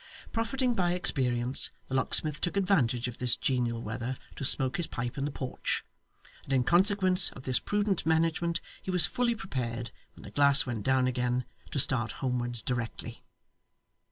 Profiting by experience, the locksmith took advantage of this genial weather to smoke his pipe in the porch, and in consequence of this prudent management, he was fully prepared, when the glass went down again, to start homewards directly.